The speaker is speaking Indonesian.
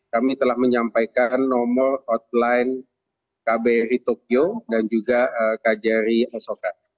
kami telah menyampaikan nomor hotline kbri tokyo dan juga kjri sofa